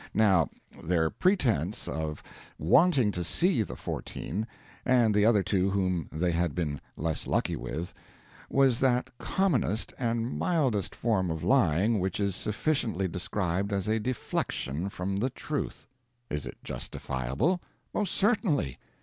Now, their pretense of wanting to see the fourteen and the other two whom they had been less lucky with was that commonest and mildest form of lying which is sufficiently described as a deflection from the truth. Is it justifiable? Most certainly.